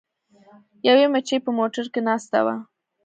یوې مچۍ په موټر کې ناسته وه.